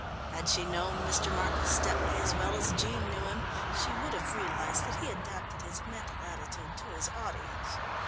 Had she known Mr. Marcus Stepney as well as Jean knew him, she would have realised that he adapted his mental attitude to his audience.